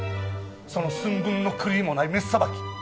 その寸分の狂いもないメスさばき。